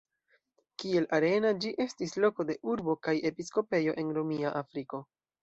Kiel Arena ĝi estis loko de urbo kaj episkopejo en Romia Afriko.